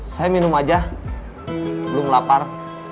saya minum aja belum lapar